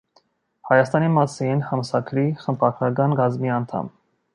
«Հայաստանի մասին» ամսագրի խմբագրական կազմի անդամ։